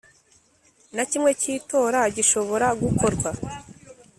Na kimwe cy’itora gishobora gukorwa.